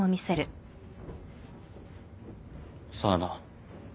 さあな。